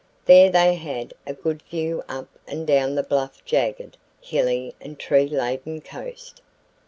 There they had a good view up and down the bluff jagged, hilly and tree laden coast.